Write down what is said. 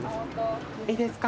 いいですか？